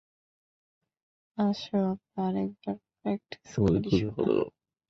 আসো আমরা আরেকবার প্র্যাকটিস করি, সোনা।